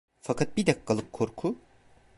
Fakat bir dakikalık korku…